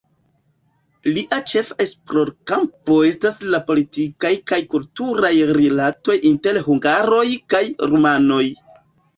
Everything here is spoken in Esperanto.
Lia ĉefa esplorkampo estas la politikaj kaj kulturaj rilatoj inter hungaroj kaj rumanoj.